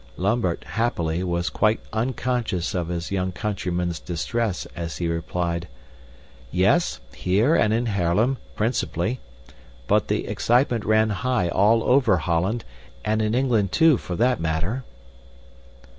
Lambert, happily, was quite unconscious of his young countryman's distress as he replied, "Yes, here and in Haarlem, principally; but the excitement ran high all over Holland, and in England too for that matter."